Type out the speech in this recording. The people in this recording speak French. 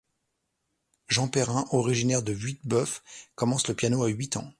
Jean Perrin, originaire de Vuiteboeuf, commence le piano à huit ans.